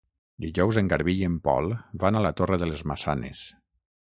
Dijous en Garbí i en Pol van a la Torre de les Maçanes.